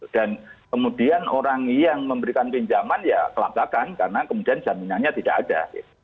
kemudian orang yang memberikan pinjaman ya kelapakan karena kemudian jaminannya tidak ada